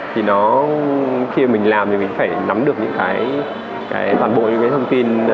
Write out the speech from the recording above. thì nó khi mình làm thì mình phải nắm được những cái toàn bộ những cái thông tin